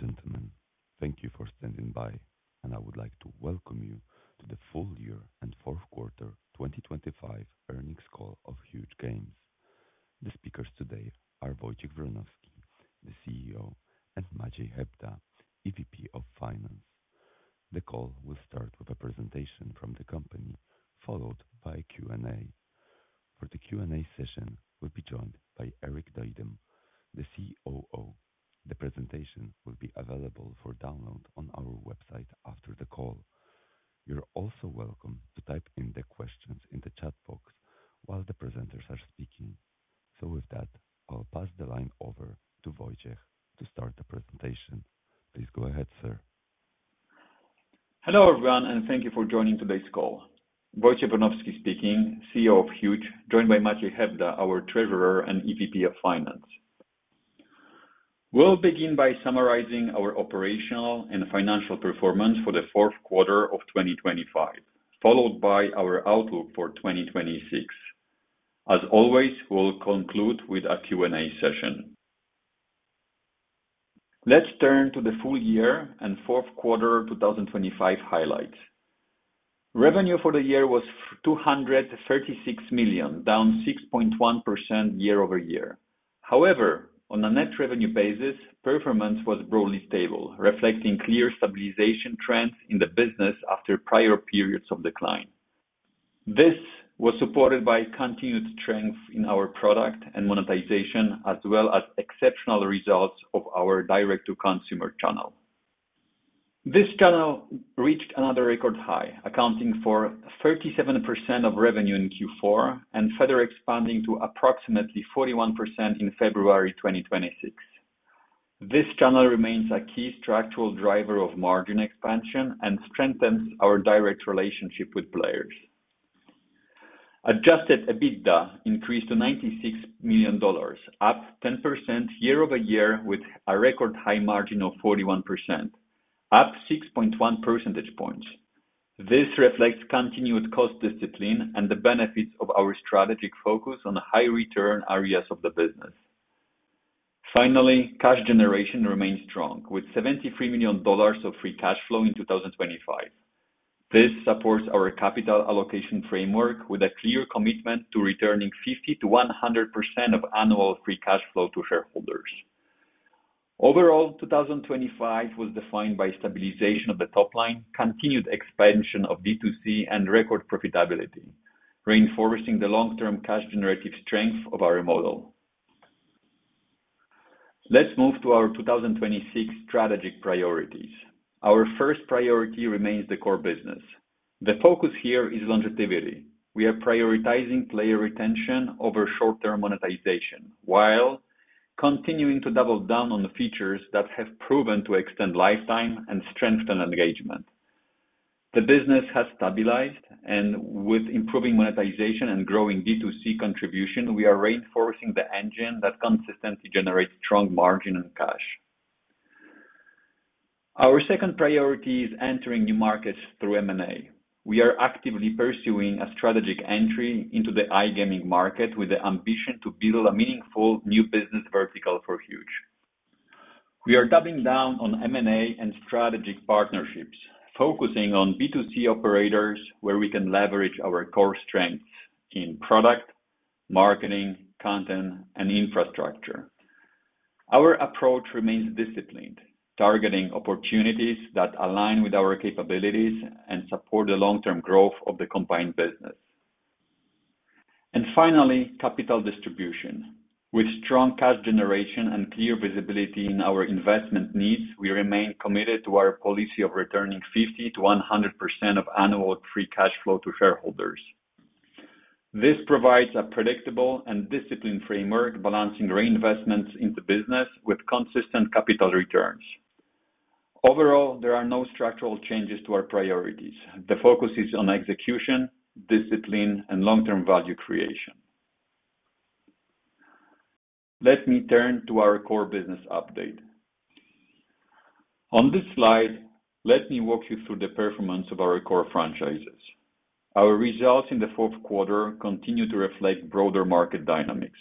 Ladies and gentlemen, thank you for standing by, and I would like to welcome you to the Full Year and Fourth Quarter 2025 Earnings Call of Huuuge Games. The speakers today are Wojciech Wronowski, the CEO, and Maciej Hebda, EVP of Finance. The call will start with a presentation from the company, followed by a Q&A. For the Q&A session, we'll be joined by Erik Duindam, the COO. The presentation will be available for download on our website after the call. You're also welcome to type in the questions in the chat box while the presenters are speaking. With that, I'll pass the line over to Wojciech to start the presentation. Please go ahead, sir. Hello, everyone, and thank you for joining today's call. Wojciech Wronowski speaking, CEO of Huuuge, joined by Maciej Hebda, our Treasurer and EVP of Finance. We'll begin by summarizing our operational and financial performance for the fourth quarter of 2025, followed by our outlook for 2026. As always, we'll conclude with a Q&A session. Let's turn to the full year and fourth quarter 2025 highlights. Revenue for the year was $236 million, down 6.1% year-over-year. However, on a net revenue basis, performance was broadly stable, reflecting clear stabilization trends in the business after prior periods of decline. This was supported by continued strength in our product and monetization, as well as exceptional results of our direct-to-consumer channel. This channel reached another record high, accounting for 37% of revenue in Q4 and further expanding to approximately 41% in February 2026. This channel remains a key structural driver of margin expansion and strengthens our direct relationship with players. Adjusted EBITDA increased to $96 million, up 10% year-over-year with a record high margin of 41%, up 6.1 percentage points. This reflects continued cost discipline and the benefits of our strategic focus on high return areas of the business. Finally, cash generation remains strong, with $73 million of free cash flow in 2025. This supports our capital allocation framework with a clear commitment to returning 50%-100% of annual free cash flow to shareholders. Overall, 2025 was defined by stabilization of the top line, continued expansion of D2C and record profitability, reinforcing the long-term cash generative strength of our model. Let's move to our 2026 strategic priorities. Our first priority remains the core business. The focus here is longevity. We are prioritizing player retention over short-term monetization, while continuing to double down on the features that have proven to extend lifetime and strengthen engagement. The business has stabilized and with improving monetization and growing D2C contribution, we are reinforcing the engine that consistently generates strong margin and cash. Our second priority is entering new markets through M&A. We are actively pursuing a strategic entry into the iGaming market with the ambition to build a meaningful new business vertical for Huuuge. We are doubling down on M&A and strategic partnerships, focusing on D2C operators, where we can leverage our core strengths in product, marketing, content and infrastructure. Our approach remains disciplined, targeting opportunities that align with our capabilities and support the long-term growth of the combined business. Finally, capital distribution. With strong cash generation and clear visibility in our investment needs, we remain committed to our policy of returning 50%-100% of annual free cash flow to shareholders. This provides a predictable and disciplined framework, balancing reinvestments into business with consistent capital returns. Overall, there are no structural changes to our priorities. The focus is on execution, discipline, and long-term value creation. Let me turn to our core business update. On this slide, let me walk you through the performance of our core franchises. Our results in the fourth quarter continue to reflect broader market dynamics.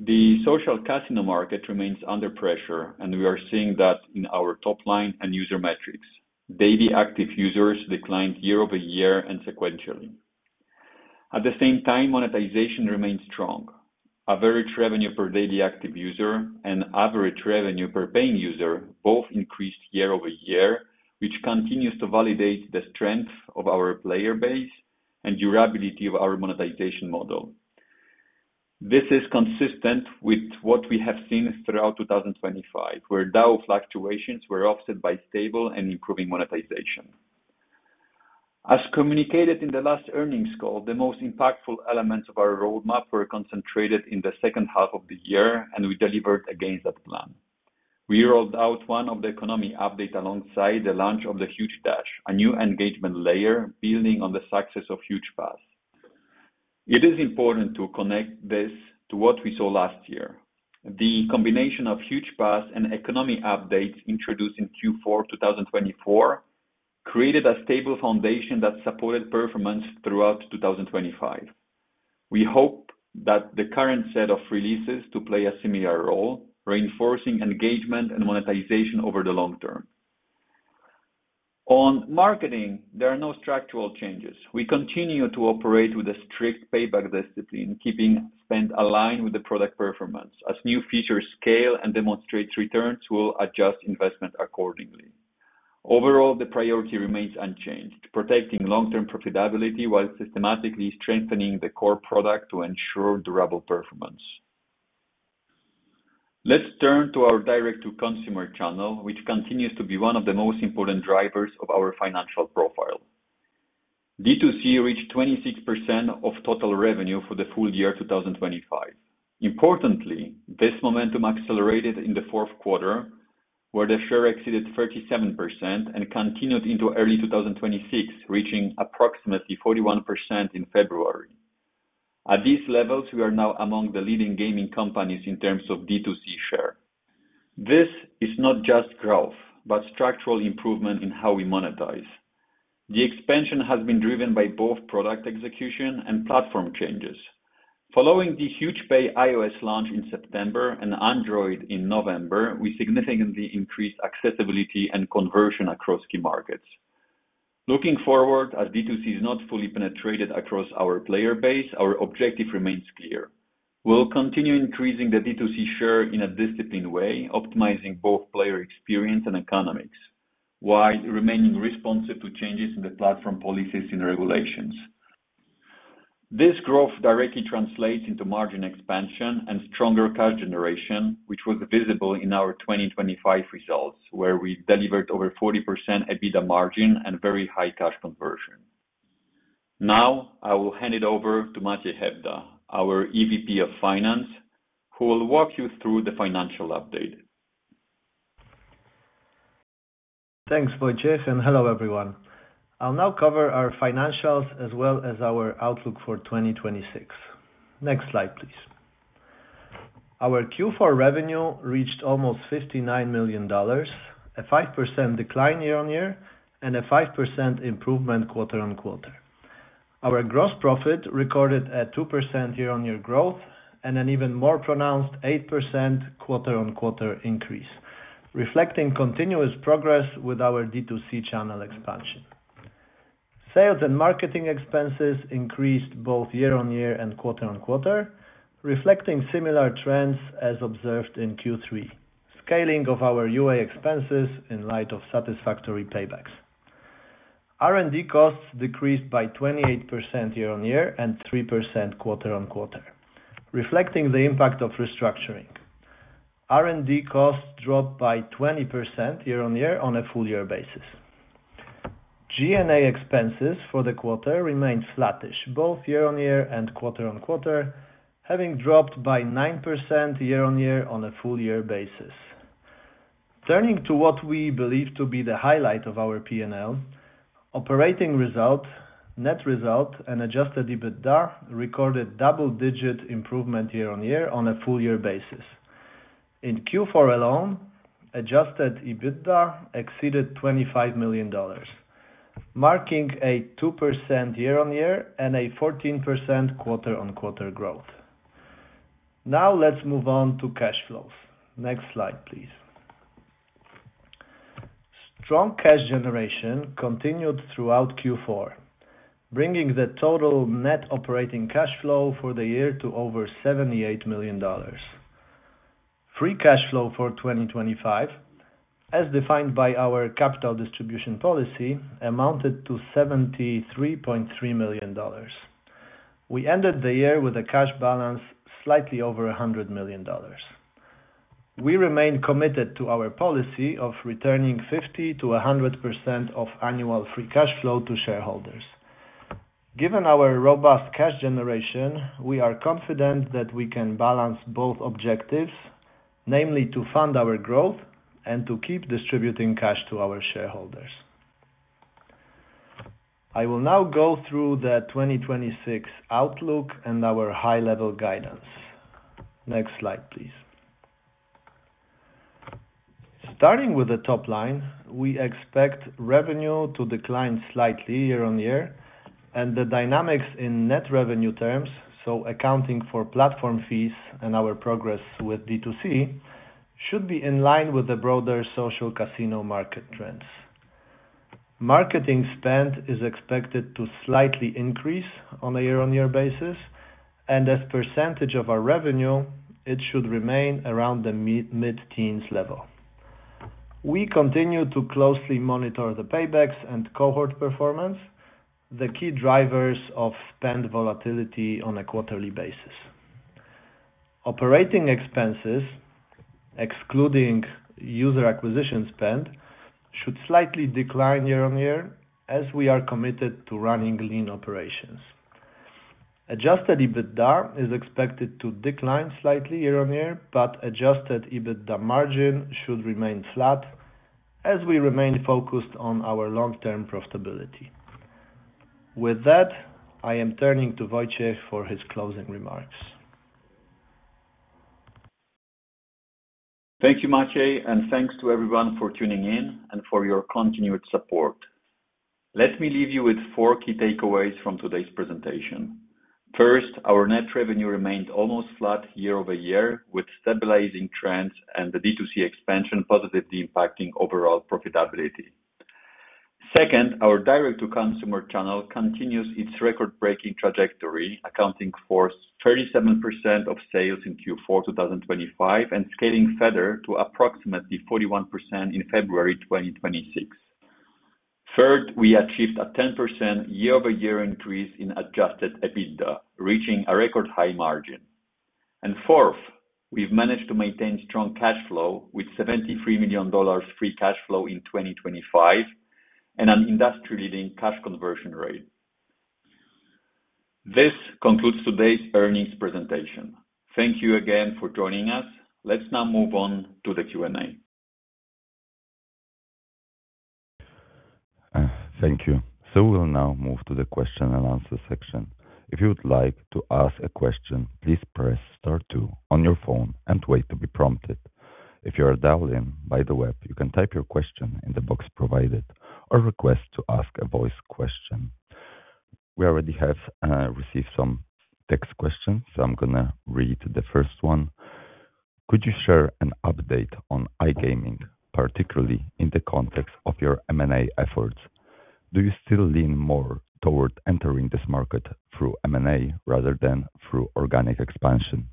The social casino market remains under pressure, and we are seeing that in our top line and user metrics. Daily active users declined year-over-year and sequentially. At the same time, monetization remains strong. Average revenue per daily active user and average revenue per paying user both increased year-over-year, which continues to validate the strength of our player base and durability of our monetization model. This is consistent with what we have seen throughout 2025, where DAU fluctuations were offset by stable and improving monetization. As communicated in the last earnings call, the most impactful elements of our roadmap were concentrated in the second half of the year, and we delivered against that plan. We rolled out one of the economy update alongside the launch of the Huuuge Dash, a new engagement layer building on the success of Huuuge Pass. It is important to connect this to what we saw last year. The combination of Huuuge Pass and economy updates introduced in Q4 2024 created a stable foundation that supported performance throughout 2025. We hope that the current set of releases to play a similar role, reinforcing engagement and monetization over the long term. On marketing, there are no structural changes. We continue to operate with a strict payback discipline, keeping spend aligned with the product performance. As new features scale and demonstrate returns, we'll adjust investment accordingly. Overall, the priority remains unchanged, protecting long-term profitability while systematically strengthening the core product to ensure durable performance. Let's turn to our direct-to-consumer channel, which continues to be one of the most important drivers of our financial profile. D2C reached 26% of total revenue for the full year 2025. Importantly, this momentum accelerated in the fourth quarter, where the share exceeded 37% and continued into early 2026, reaching approximately 41% in February. At these levels, we are now among the leading gaming companies in terms of D2C share. This is not just growth, but structural improvement in how we monetize. The expansion has been driven by both product execution and platform changes. Following the Huuuge Pay iOS launch in September and Android in November, we significantly increased accessibility and conversion across key markets. Looking forward, as D2C is not fully penetrated across our player base, our objective remains clear. We'll continue increasing the D2C share in a disciplined way, optimizing both player experience and economics, while remaining responsive to changes in the platform policies and regulations. This growth directly translates into margin expansion and stronger cash generation, which was visible in our 2025 results, where we delivered over 40% EBITDA margin and very high cash conversion. Now, I will hand it over to Maciej Hebda, our EVP of Finance, who will walk you through the financial update. Thanks, Wojciech, and hello, everyone. I'll now cover our financials as well as our outlook for 2026. Next slide, please. Our Q4 revenue reached almost $59 million, a 5% decline year-on-year and a 5% improvement quarter-on-quarter. Our gross profit recorded a 2% year-on-year growth and an even more pronounced 8% quarter-on-quarter increase, reflecting continuous progress with our D2C channel expansion. Sales and marketing expenses increased both year-on-year and quarter-on-quarter, reflecting similar trends as observed in Q3, scaling of our UA expenses in light of satisfactory paybacks. R&D costs decreased by 28% year-on-year and 3% quarter-on-quarter, reflecting the impact of restructuring. R&D costs dropped by 20% year-on-year on a full year basis. G&A expenses for the quarter remained flattish, both year-on-year and quarter-on-quarter, having dropped by 9% year-on-year on a full year basis. Turning to what we believe to be the highlight of our P&L, operating result, net result and Adjusted EBITDA recorded double-digit improvement year-on-year on a full year basis. In Q4 alone, Adjusted EBITDA exceeded $25 million, marking a 2% year-onr-year and a 14% quarter-on-quarter growth. Now let's move on to cash flows. Next slide, please. Strong cash generation continued throughout Q4, bringing the total net operating cash flow for the year to over $78 million. Free cash flow for 2025, as defined by our capital distribution policy, amounted to $73.3 million. We ended the year with a cash balance slightly over $100 million. We remain committed to our policy of returning 50%-100% of annual free cash flow to shareholders. Given our robust cash generation, we are confident that we can balance both objectives, namely to fund our growth and to keep distributing cash to our shareholders. I will now go through the 2026 outlook and our high-level guidance. Next slide, please. Starting with the top line, we expect revenue to decline slightly year-on-year and the dynamics in net revenue terms, so accounting for platform fees and our progress with D2C, should be in line with the broader social casino market trends. Marketing spend is expected to slightly increase on a year-on-year basis, and as percentage of our revenue, it should remain around the mid-teens level. We continue to closely monitor the paybacks and cohort performance, the key drivers of spend volatility on a quarterly basis. Operating expenses, excluding user acquisition spend, should slightly decline year-on-year as we are committed to running lean operations. Adjusted EBITDA is expected to decline slightly year-on-year, but Adjusted EBITDA margin should remain flat as we remain focused on our long-term profitability. With that, I am turning to Wojciech for his closing remarks. Thank you, Maciej, and thanks to everyone for tuning in and for your continued support. Let me leave you with four key takeaways from today's presentation. First, our net revenue remained almost flat year-over-year, with stabilizing trends and the D2C expansion positively impacting overall profitability. Second, our direct-to-consumer channel continues its record-breaking trajectory, accounting for 37% of sales in Q4 2025 and scaling further to approximately 41% in February 2026. Third, we achieved a 10% year-over-year increase in Adjusted EBITDA, reaching a record high margin. Fourth, we've managed to maintain strong cash flow with $73 million free cash flow in 2025 and an industry-leading cash conversion rate. This concludes today's earnings presentation. Thank you again for joining us. Let's now move on to the Q&A. Thank you. We'll now move to the question and answer section. If you would like to ask a question, please press star two on your phone and wait to be prompted. If you are dialed in by the web, you can type your question in the box provided or request to ask a voice question. We already have received some text questions, so I'm gonna read the first one. Could you share an update on iGaming, particularly in the context of your M&A efforts? Do you still lean more toward entering this market through M&A rather than through organic expansion?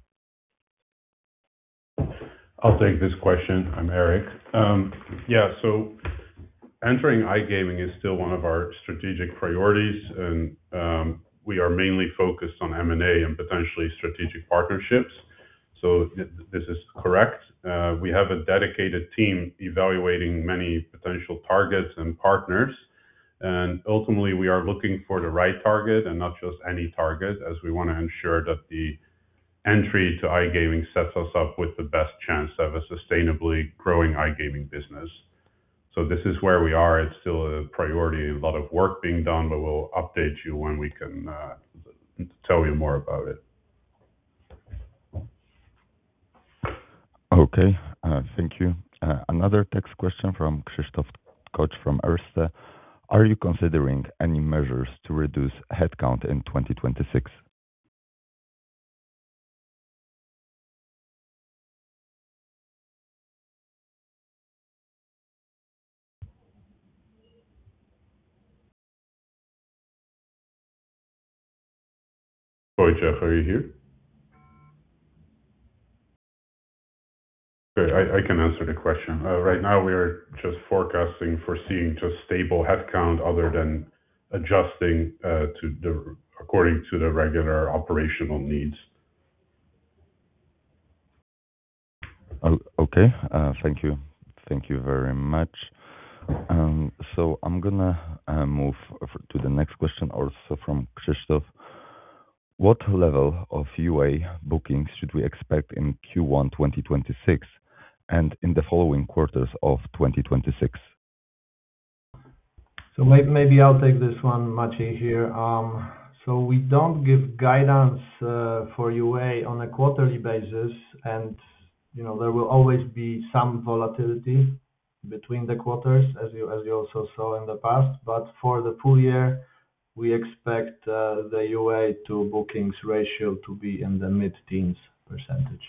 I'll take this question. I'm Erik. Entering iGaming is still one of our strategic priorities and we are mainly focused on M&A and potentially strategic partnerships. This is correct. We have a dedicated team evaluating many potential targets and partners, and ultimately, we are looking for the right target and not just any target, as we wanna ensure that the entry to iGaming sets us up with the best chance of a sustainably growing iGaming business. This is where we are. It's still a priority. A lot of work being done, but we'll update you when we can tell you more about it. Okay. Thank you. Another text question from Krzysztof Tkocz from Erste. Are you considering any measures to reduce headcount in 2026? Krzysztof, are you here? Good. I can answer the question. Right now we are just forecasting, foreseeing just stable headcount other than adjusting to the according to the regular operational needs. Okay. Thank you. Thank you very much. I'm gonna move over to the next question also from Krzysztof. What level of UA bookings should we expect in Q1 2026 and in the following quarters of 2026? Maybe I'll take this one, Maciej here. We don't give guidance for UA on a quarterly basis. You know, there will always be some volatility between the quarters as you also saw in the past. For the full year, we expect the UA to bookings ratio to be in the mid-teens percentage.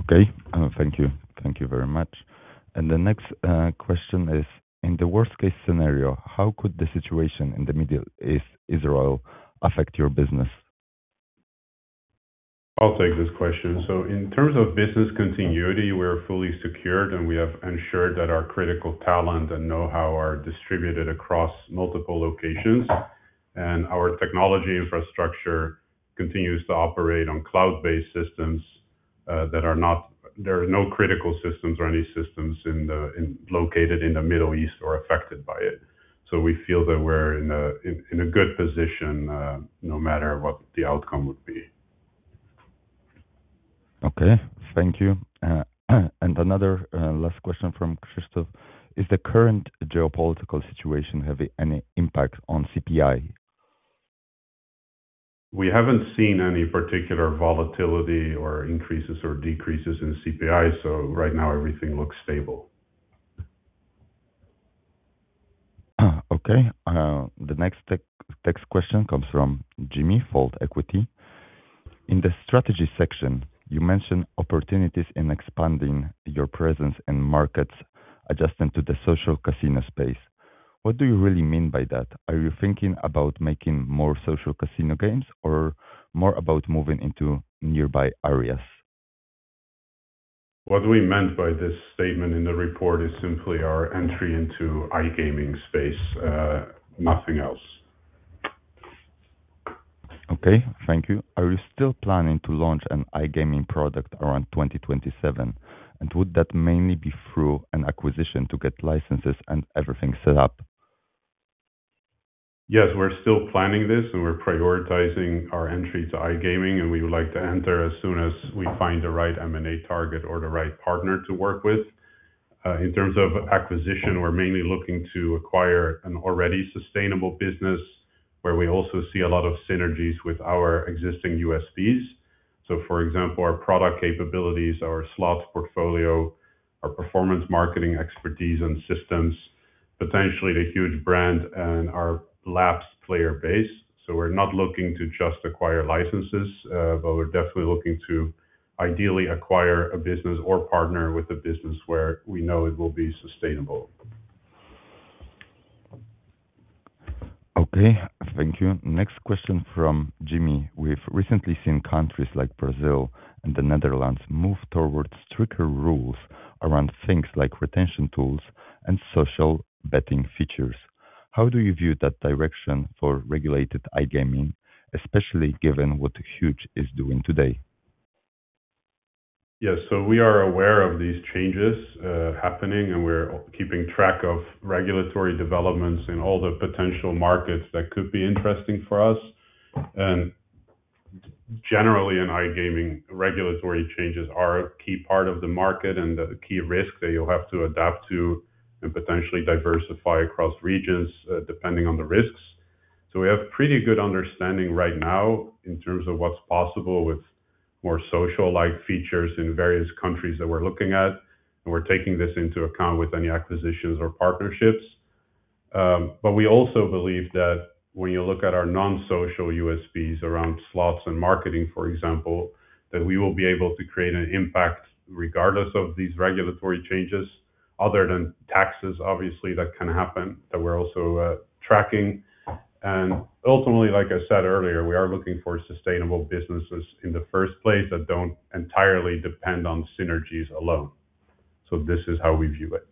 Okay. Thank you. Thank you very much. The next question is, in the worst-case scenario, how could the situation in the Middle East or Israel affect your business? I'll take this question. In terms of business continuity, we're fully secured, and we have ensured that our critical talent and know-how are distributed across multiple locations. Our technology infrastructure continues to operate on cloud-based systems, there are no critical systems or any systems located in the Middle East or affected by it. We feel that we're in a good position, no matter what the outcome would be. Okay. Thank you. Another last question from Krzysztof. Is the current geopolitical situation having any impact on CPI? We haven't seen any particular volatility or increases or decreases in CPI, so right now everything looks stable. Okay. The next text question comes from Jimmy, Fold Equity. In the strategy section, you mention opportunities in expanding your presence in markets adjacent to the social casino space. What do you really mean by that? Are you thinking about making more social casino games or more about moving into nearby areas? What we meant by this statement in the report is simply our entry into iGaming space, nothing else. Okay. Thank you. Are you still planning to launch an iGaming product around 2027? Would that mainly be through an acquisition to get licenses and everything set up? Yes, we're still planning this, and we're prioritizing our entry to iGaming, and we would like to enter as soon as we find the right M&A target or the right partner to work with. In terms of acquisition, we're mainly looking to acquire an already sustainable business where we also see a lot of synergies with our existing USPs. For example, our product capabilities, our slots portfolio, our performance marketing expertise and systems, potentially the Huuuge brand and our lapsed player base. We're not looking to just acquire licenses, but we're definitely looking to ideally acquire a business or partner with a business where we know it will be sustainable. Okay, thank you. Next question from Jimmy. We've recently seen countries like Brazil and the Netherlands move towards stricter rules around things like retention tools and social betting features. How do you view that direction for regulated iGaming, especially given what Huuuge is doing today? Yes. We are aware of these changes happening, and we're keeping track of regulatory developments in all the potential markets that could be interesting for us. Generally, in iGaming, regulatory changes are a key part of the market and the key risk that you'll have to adapt to and potentially diversify across regions depending on the risks. We have pretty good understanding right now in terms of what's possible with more social-like features in various countries that we're looking at, and we're taking this into account with any acquisitions or partnerships. We also believe that when you look at our non-social USPs around slots and marketing, for example, that we will be able to create an impact regardless of these regulatory changes, other than taxes obviously that can happen, that we're also tracking. Ultimately, like I said earlier, we are looking for sustainable businesses in the first place that don't entirely depend on synergies alone. This is how we view it.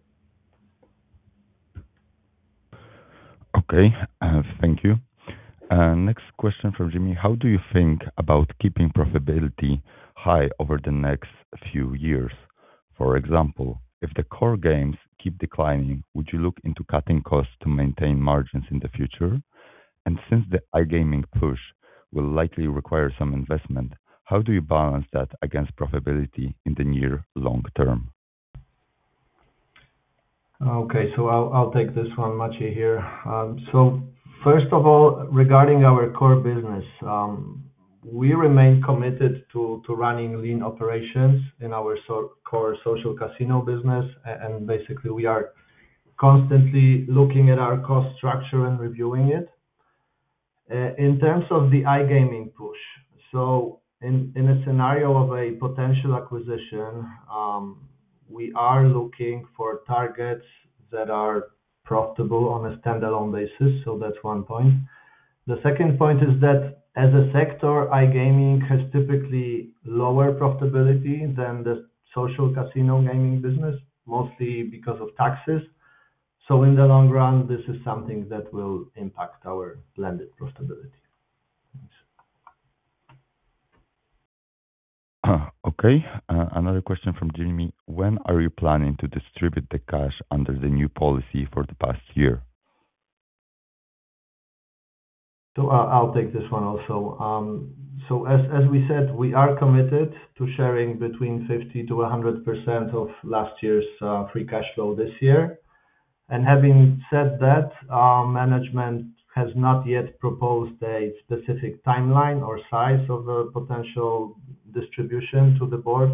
Okay, thank you. Next question from Jimmy. How do you think about keeping profitability high over the next few years? For example, if the core games keep declining, would you look into cutting costs to maintain margins in the future? Since the iGaming push will likely require some investment, how do you balance that against profitability in the near long term? Okay. I'll take this one. Maciej here. First of all, regarding our core business, we remain committed to running lean operations in our core social casino business. Basically, we are constantly looking at our cost structure and reviewing it. In terms of the iGaming push, in a scenario of a potential acquisition, we are looking for targets that are profitable on a standalone basis. That's one point. The second point is that as a sector, iGaming has typically lower profitability than the social casino gaming business, mostly because of taxes. In the long run, this is something that will impact our blended profitability. Okay. Another question from Jimmy. When are you planning to distribute the cash under the new policy for the past year? I'll take this one also. As we said, we are committed to sharing between 50%-100% of last year's free cash flow this year. Having said that, management has not yet proposed a specific timeline or size of a potential distribution to the board.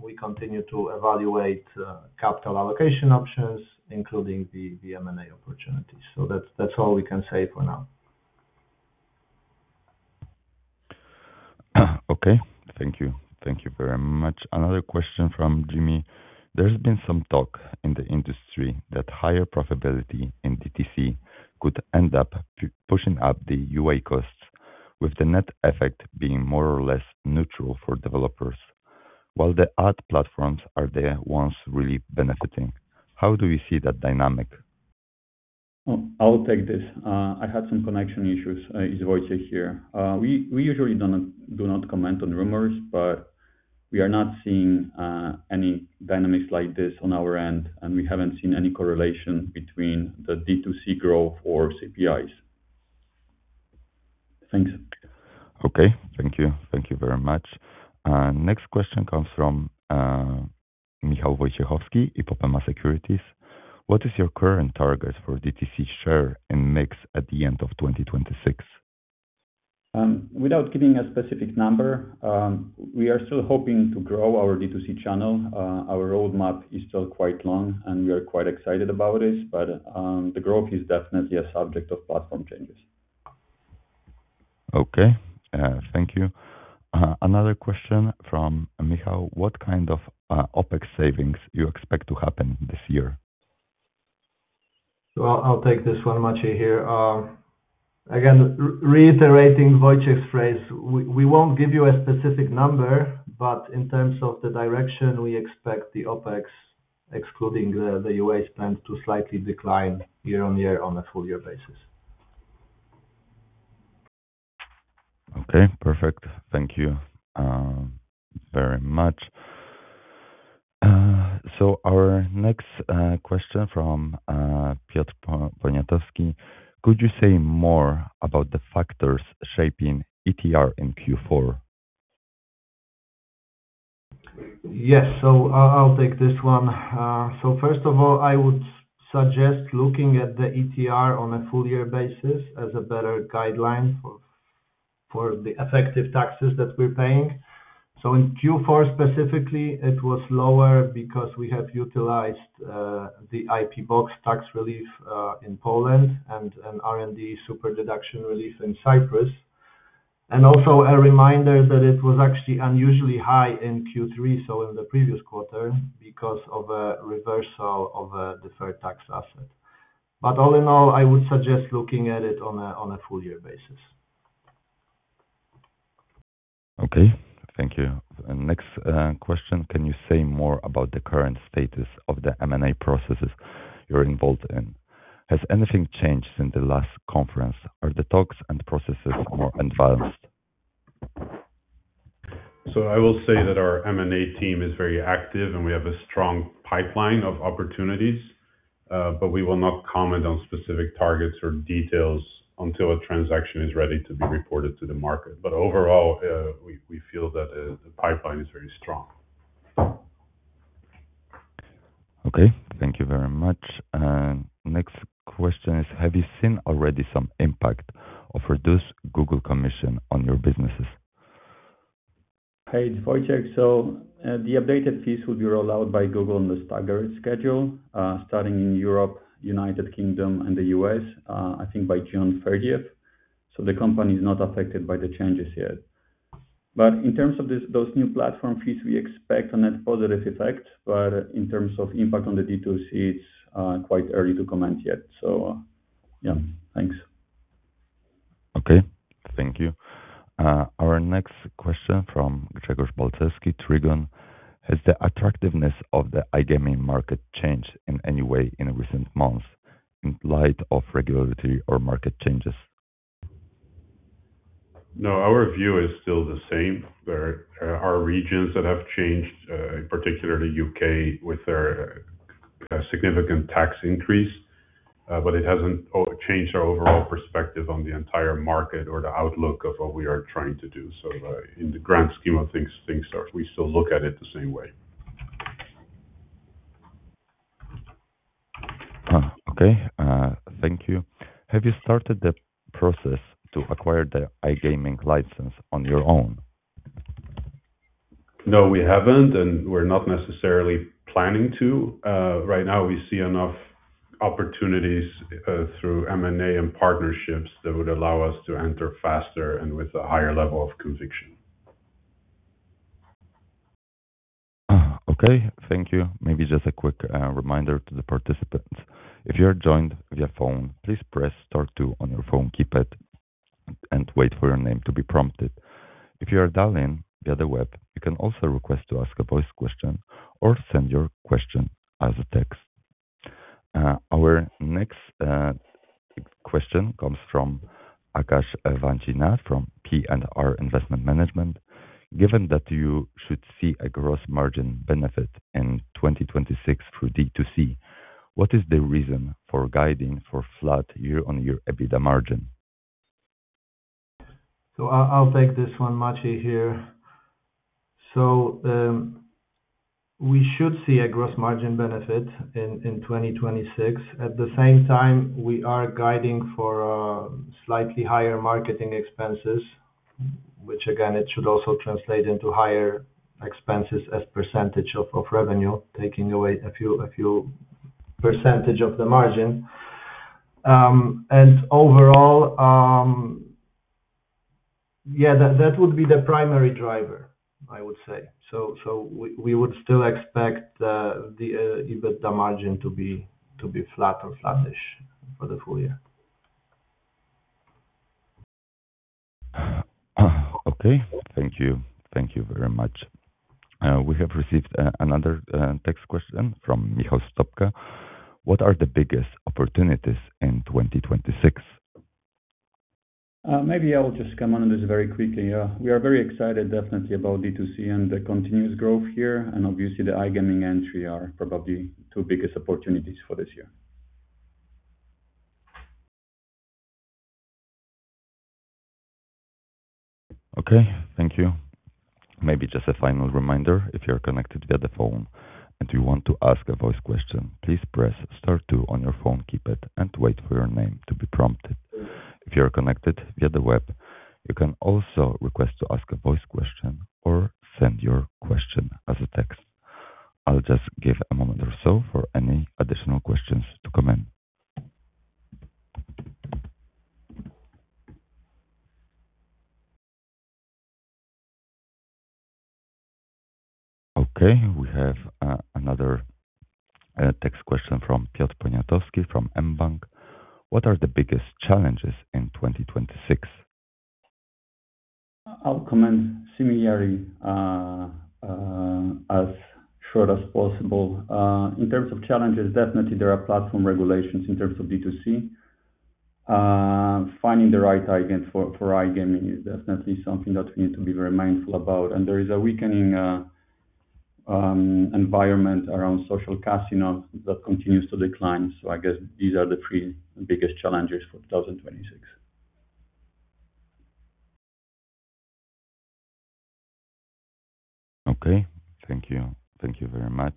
We continue to evaluate capital allocation options, including the M&A opportunities. That's all we can say for now. Okay. Thank you. Thank you very much. Another question from Jimmy. There's been some talk in the industry that higher profitability in DTC could end up pushing up the UA costs, with the net effect being more or less neutral for developers while the ad platforms are the ones really benefiting. How do you see that dynamic? I'll take this. I had some connection issues. It's Wojciech here. We usually do not comment on rumors, but we are not seeing any dynamics like this on our end, and we haven't seen any correlation between the D2C growth or CPIs. Thanks. Okay. Thank you. Thank you very much. Next question comes from Michał Wojciechowski, IPOPEMA Securities. What is your current target for DTC share and mix at the end of 2026? Without giving a specific number, we are still hoping to grow our D2C channel. Our roadmap is still quite long, and we are quite excited about this. The growth is definitely a subject of platform changes. Okay. Thank you. Another question from Michał. What kind of OpEx savings you expect to happen this year? I'll take this one, Maciej here. Again, reiterating Wojciech's phrase, we won't give you a specific number, but in terms of the direction, we expect the OpEx, excluding the UA spend, to slightly decline year-on-year on a full year basis. Okay. Perfect. Thank you very much. Our next question from Piotr Poniatowski. Could you say more about the factors shaping ETR in Q4? Yes. I'll take this one. First of all, I would suggest looking at the ETR on a full year basis as a better guideline for the effective taxes that we're paying. In Q4 specifically, it was lower because we have utilized the IP Box tax relief in Poland and an R&D super deduction relief in Cyprus. Also a reminder that it was actually unusually high in Q3, so in the previous quarter, because of a reversal of a deferred tax asset. All in all, I would suggest looking at it on a full year basis. Okay. Thank you. Next question, can you say more about the current status of the M&A processes you're involved in? Has anything changed since the last conference? Are the talks and processes more advanced? I will say that our M&A team is very active, and we have a strong pipeline of opportunities. We will not comment on specific targets or details until a transaction is ready to be reported to the market. Overall, we feel that the pipeline is very strong. Okay. Thank you very much. Next question is, have you seen already some impact of reduced Google commission on your businesses? Hey, it's Wojciech. The updated fees will be rolled out by Google on the staggered schedule, starting in Europe, United Kingdom and the U.S., I think by June 30th. The company is not affected by the changes yet. In terms of this, those new platform fees, we expect a net positive effect, but in terms of impact on the D2C, it's quite early to comment yet. Yeah. Thanks. Okay. Thank you. Our next question from Grzegorz Balcerski, Trigon. Has the attractiveness of the iGaming market changed in any way in recent months in light of regulatory or market changes? No, our view is still the same. There are regions that have changed, in particular the U.K. with their significant tax increase, but it hasn't changed our overall perspective on the entire market or the outlook of what we are trying to do. In the grand scheme of things, we still look at it the same way. Okay. Thank you. Have you started the process to acquire the iGaming license on your own? No, we haven't, and we're not necessarily planning to. Right now, we see enough opportunities through M&A and partnerships that would allow us to enter faster and with a higher level of conviction. Okay. Thank you. Maybe just a quick reminder to the participants. If you are joined via phone, please press star two on your phone keypad and wait for your name to be prompted. If you are dialed in via the web, you can also request to ask a voice question or send your question as a text. Our next question comes from Aakash Vanchi Nath from P&R Investment Management. Given that you should see a gross margin benefit in 2026 through D2C, what is the reason for guiding for flat year-on-year EBITDA margin? I'll take this one. Maciej here. We should see a gross margin benefit in 2026. At the same time, we are guiding for slightly higher marketing expenses, which again, it should also translate into higher expenses as percentage of revenue, taking away a few percentage of the margin. Overall, yeah, that would be the primary driver, I would say. We would still expect the EBITDA margin to be flat or flattish for the full year. Okay. Thank you. Thank you very much. We have received another text question from Michał Stopka. What are the biggest opportunities in 2026? Maybe I'll just comment on this very quickly, yeah. We are very excited, definitely about D2C and the continuous growth here, and obviously the iGaming entry are probably two biggest opportunities for this year. Okay. Thank you. Maybe just a final reminder, if you're connected via the phone and you want to ask a voice question, please press star two on your phone keypad and wait for your name to be prompted. If you are connected via the web, you can also request to ask a voice question or send your question as a text. I'll just give a moment or so for any additional questions to come in. Okay. We have another text question from Piotr Poniatowski from mBank. What are the biggest challenges in 2026? I'll comment similarly, as short as possible. In terms of challenges, definitely there are platform regulations in terms of D2C. Finding the right agent for iGaming is definitely something that we need to be very mindful about. There is a weakening environment around social casinos that continues to decline. I guess these are the three biggest challenges for 2026. Okay. Thank you. Thank you very much.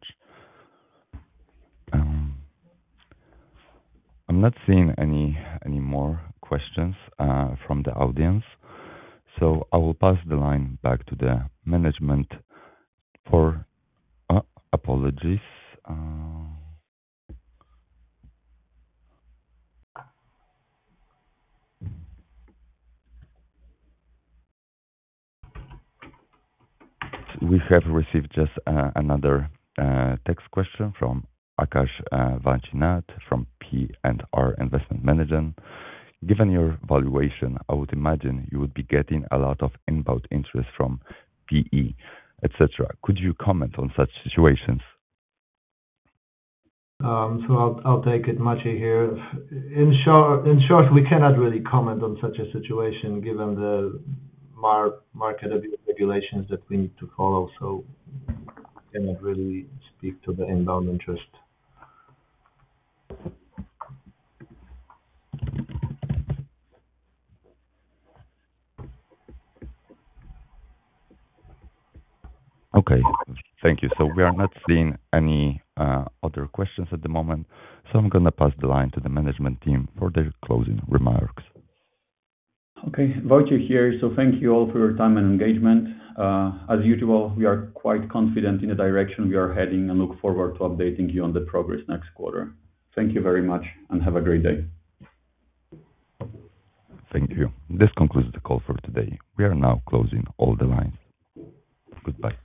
I'm not seeing any more questions from the audience, so I will pass the line back to the management. Apologies. We have received just another text question from Aakash Vanchi Nath from P&R Investment Management. Given your valuation, I would imagine you would be getting a lot of inbound interest from PE, et cetera. Could you comment on such situations? I'll take it. Maciej here. In short, we cannot really comment on such a situation given the market abuse regulations that we need to follow. Cannot really speak to the inbound interest. Okay. Thank you. We are not seeing any other questions at the moment, so I'm gonna pass the line to the management team for their closing remarks. Okay. Wojciech here. Thank you all for your time and engagement. As usual, we are quite confident in the direction we are heading and look forward to updating you on the progress next quarter. Thank you very much and have a great day. Thank you. This concludes the call for today. We are now closing all the lines. Goodbye.